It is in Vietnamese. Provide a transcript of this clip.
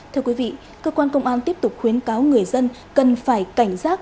thưa quý vị cơ quan công an tiếp tục khuyến cáo người dân cần phải cảnh giác